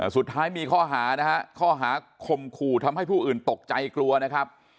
สุดท้ายมีข้อหานะฮะข้อหาคมขู่ทำให้ผู้อื่นตกใจกลัวนะครับ